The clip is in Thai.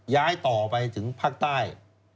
ย้ายต่อไปถึงภาคใต้